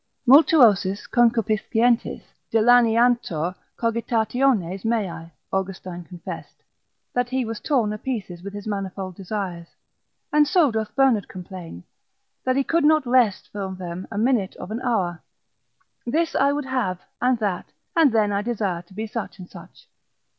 Multuosis concupiscentiis dilaniantur cogitationes meae, Austin confessed, that he was torn a pieces with his manifold desires: and so doth Bernard complain, that he could not rest for them a minute of an hour: this I would have, and that, and then I desire to be such and such.